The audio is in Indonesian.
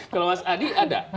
kalau mas adi ada